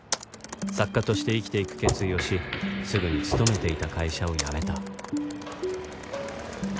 作家として生きていく決意をしすぐに勤めていた会社を辞めた